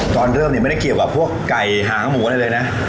ตอนเริ่มเนี่ยไม่ได้เกี่ยวกับพวกไก่หางหมูอะไรเลยนะ